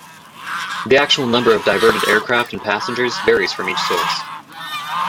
The actual number of diverted aircraft and passengers varies from each source.